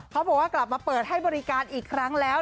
เขาบอกว่ากลับมาเปิดให้บริการอีกครั้งแล้ว